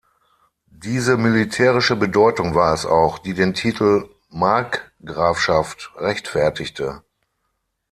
Diese militärische Bedeutung war es auch, die den Titel Markgrafschaft rechtfertigte.